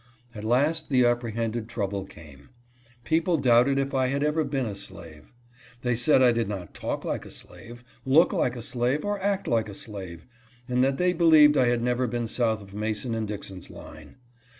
At last the apprehended trouble came. People doubted if I had ever been a slave. They said I did not talk like a slave, look like a slave, or act like a slave, and that they believed I had never been south of Mason and Dixon's line.